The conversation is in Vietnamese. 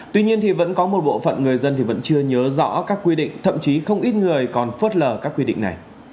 tuy nhiên vẫn có một bộ phận người dân thì vẫn chưa nhớ rõ các quy định thậm chí không ít người còn phớt lờ các quy định này